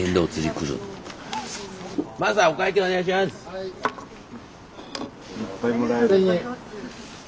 はい。